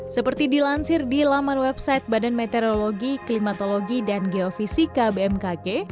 seperti dilansir di laman website badan meteorologi klimatologi dan geofisika bmkg